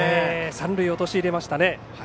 三塁陥れましたね。